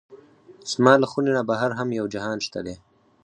زما له خونې نه بهر هم یو جهان شته دی.